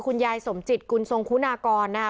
คุณยายสมจิตกุลทรงคุณากรนะคะ